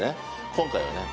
今回はね